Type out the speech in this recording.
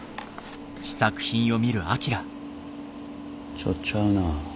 ちょっとちゃうな。